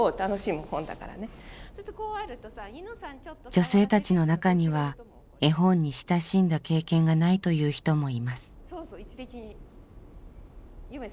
女性たちの中には絵本に親しんだ経験がないという人もいます。